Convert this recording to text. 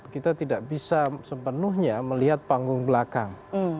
kita tidak bisa sepenuhnya melihat panggung belakang